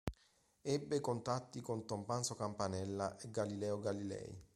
Ebbe contatti con Tommaso Campanella e Galileo Galilei.